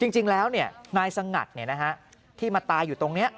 จริงแล้วนายสงัดที่มาตายอยู่ตรงนี้